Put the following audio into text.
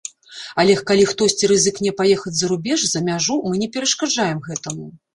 Але калі хтосьці рызыкне паехаць за рубеж, за мяжу, мы не перашкаджаем гэтаму.